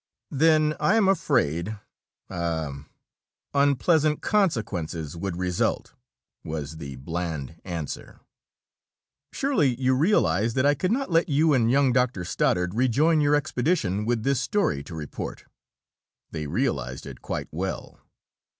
"Then I am afraid ah unpleasant consequences would result," was the bland answer. "Surely you realize that I could not let you and young Dr. Stoddard rejoin your expedition with this story to report." They realized it quite well.